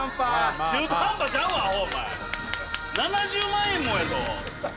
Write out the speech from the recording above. ７０万円もやぞ。